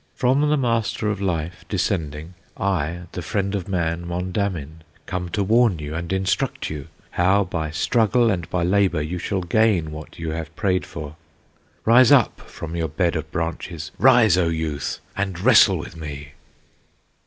"From the Master of Life descending, I, the friend of man, Mondamin, Come to warn you and instruct you, How by struggle and by labor You shall gain what you have prayed for. Rise up from your bed of branches, Rise, O youth, and wrestle with me!"